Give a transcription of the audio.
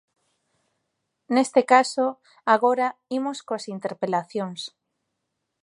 Neste caso, agora imos coas interpelacións.